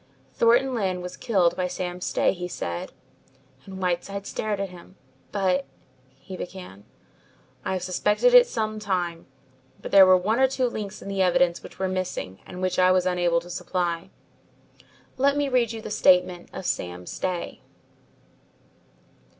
"Thornton Lyne was killed by Sam Stay," he said, and Whiteside stared at him. "But " he began. "I have suspected it for some time, but there were one or two links in the evidence which were missing and which I was unable to supply. Let me read you the statement of Sam Stay."